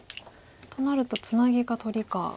となるとツナギか取りか。